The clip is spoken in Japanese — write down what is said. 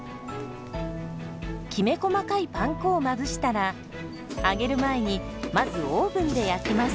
きめ細かいパン粉をまぶしたら揚げる前にまずオーブンで焼きます。